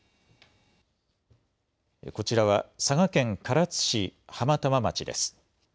こちらは佐賀県唐津市浜玉町です。